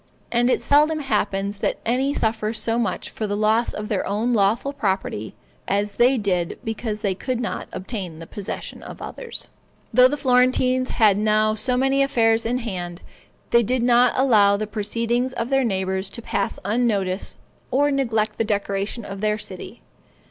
And it seldom happens that any suffer so much for the loss of their own lawful property as they did because they could not obtain the possessions of others. Though the Florentines had now so many affairs in hand, they did not allow the proceedings of their neighbors to pass unnoticed, or neglect the decoration of their city.